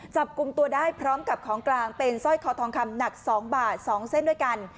จับกลุ่มตัวได้พร้อมกับของกลางเป็นสร้อยคอทองคำหนัก๒บาท๒เส้นด้วยกัน